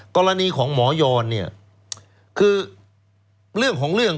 กรณีของหมอยลในคือเลื่องของเรื่อง